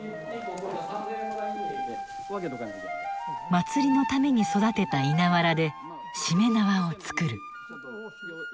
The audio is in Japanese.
祭りのために育てた稲わらでしめ縄を作る。